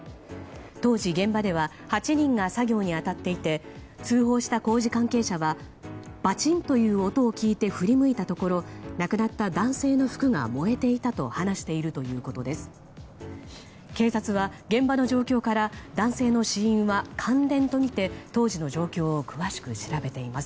当時、現場では８人が作業に当たっていて通報した工事関係者はバチンという音を聞いて振り向いたところ亡くなった男性の服が燃えていたと話しているということです。